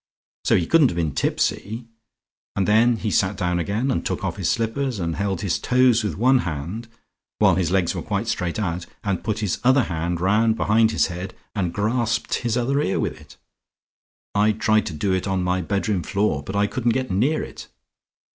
So he couldn't have been tipsy. And then he sat down again, and took off his slippers, and held his toes with one hand, while his legs were quite straight out, and put his other hand round behind his head, and grasped his other ear with it. I tried to do it on my bedroom floor, but I couldn't get near it.